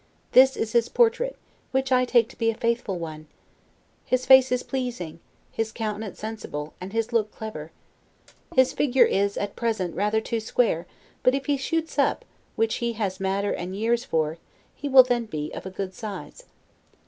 This is his portrait, which I take to be a faithful one. His face is pleasing, his countenance sensible, and his look clever. His figure is at present rather too square; but if he shoots up, which he has matter and years for, he will then be of a good size.